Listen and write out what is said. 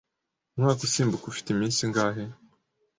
Umwaka usimbuka ufite iminsi ingahe?